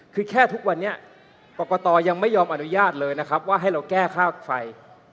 คือแค่ทุกวันนี้กรกตยังไม่ยอมอนุญาตเลยนะครับว่าให้เราแก้ค่าไฟ